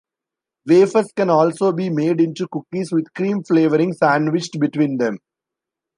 Wafers can also be made into cookies with cream flavoring sandwiched between them.